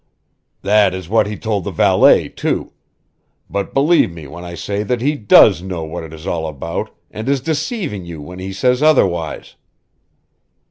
"That is what he told the valet, too. But believe me when I say that he does know what it is all about, and is deceiving you when he says otherwise."